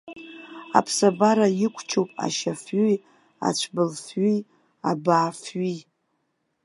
Аԥсабара иқәчуп, ашьафҩи, ацәббыл-фҩи, абаа-фҩи.